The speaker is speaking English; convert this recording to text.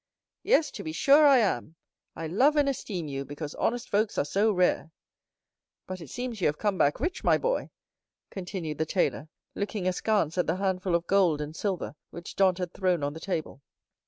"Yes, to be sure I am. I love and esteem you, because honest folks are so rare. But it seems you have come back rich, my boy," continued the tailor, looking askance at the handful of gold and silver which Dantès had thrown on the table.